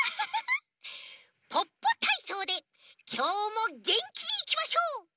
「ポッポたいそう」できょうもげんきにいきましょう！